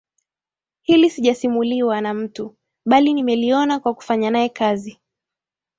Hili sijasimuliwa na mtu bali nimeliona kwa kufanya naye kazi